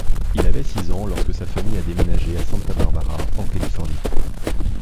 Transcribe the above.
Il avait six ans lorsque sa famille a déménagé à Santa Barbara, en Californie.